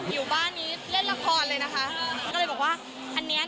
โดยเจ้าตัวมองว่าลูกของเธอเนี่ยน่าจะชื่นชอบวงการบันเทิงอยู่ไม่น้อยค่ะ